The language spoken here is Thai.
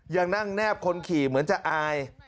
ยังนั่งแนบคนขี่เหมือนจะอาย